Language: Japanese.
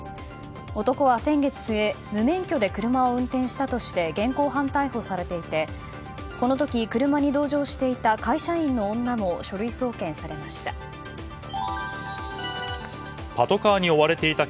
男は先月末無免許で車を運転したとして現行犯逮捕されていてこの時、車に同乗していた会社員の女も書類送検されました。